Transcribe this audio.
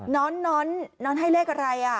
น้อนให้เลขอะไร